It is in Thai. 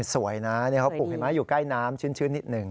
สวยนะนี่เขาปลูกไขม้อยู่ใกล้น้ำชื้นนิดหนึ่ง